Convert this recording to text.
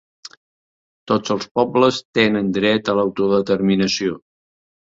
Tots els pobles tenen dret a l'autodeterminació.